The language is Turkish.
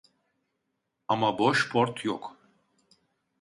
Ama boş port yok